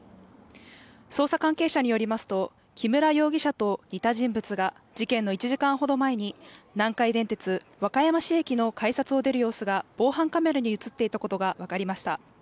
捜査関係者によりますと、木村容疑者と似た人物が事件の１時間ほど前に南海電鉄・和歌山市駅の改札を出る様子が防犯カメラに映っていたことが分かりました。